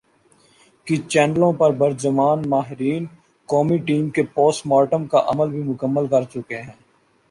کی چینلوں پر براجمان "ماہرین" قومی ٹیم کے پوسٹ مارٹم کا عمل بھی مکمل کر چکے ہیں ۔